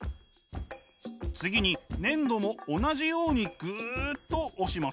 次に粘土も同じようにグッと押します。